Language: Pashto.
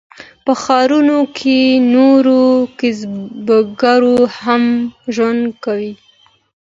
په ښارونو کې نورو کسبګرو هم ژوند کاوه.